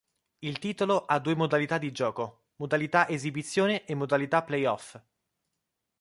Il titolo ha due modalità di gioco: modalità "Esibizione" e modalità "Playoff".